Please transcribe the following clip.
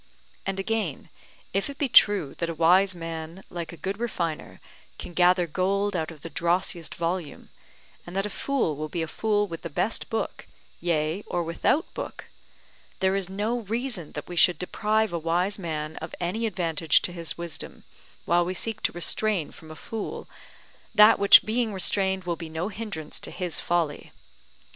And again, if it be true that a wise man, like a good refiner, can gather gold out of the drossiest volume, and that a fool will be a fool with the best book, yea or without book; there is no reason that we should deprive a wise man of any advantage to his wisdom, while we seek to restrain from a fool, that which being restrained will be no hindrance to his folly.